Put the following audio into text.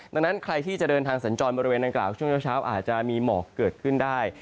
ดังนั้นใครที่จะเดินทางสัญจรบริเวณดังกล่าวช่วงเช้าอาจจะมีหมอกเกิดขึ้นได้